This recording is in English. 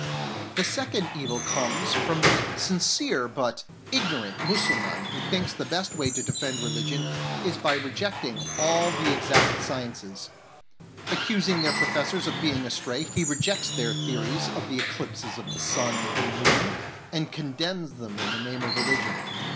The second evil comes from the sincere but ignorant Mussulman who thinks the best way to defend religion is by rejecting all the exact sciences. Accusing their professors of being astray, he rejects their theories of the eclipses of 1 30 SCIENCE NO FOE TO ISLAM , the sun and moon, and condemns them in the name of religion.